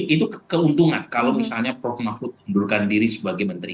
itu keuntungan kalau misalnya prof mahfud mengundurkan diri sebagai menteri